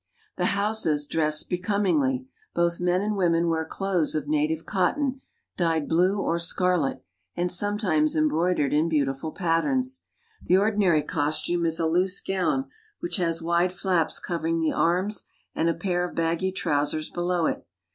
The Hausas dress be comingly. Both men and women wear clothes of native cotton, dyed blue or scarlet, and sometimes embroidered in beautiful patterns. The ordi nary costume is a loose gown which has wide flaps covering the arms and a pair of baggy trousers below it.